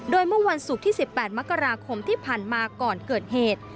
โดยเมื่อวันศุกร์ที่๑๘มกราคมที่ผ่านมาก่อนเกิดเหตุ